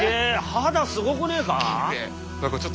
肌すごくねえか？